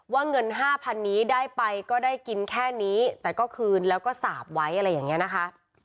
เงิน๕๐๐๐นี้ได้ไปก็ได้กินแค่นี้แต่ก็คืนแล้วก็สาบไว้อะไรอย่างนี้นะคะ